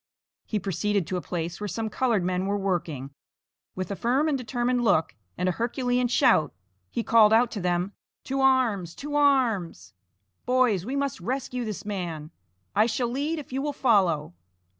He proceeded to a place where some colored men were working. With a firm and determined look, and a herculean shout, he called out to them, "To arms, to arms! boys, we must rescue this man; I shall lead if you will follow."